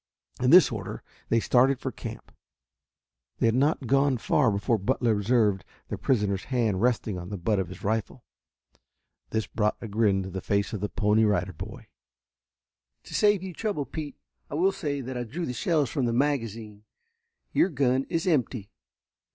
In this order they started for camp. They had not gone far before Butler observed the prisoner's hand resting on the butt of his rifle. This brought a grin to the face of the Pony Rider Boy. "To save you trouble, Pete, I will say that I drew the shells from the magazine. Your gun is empty.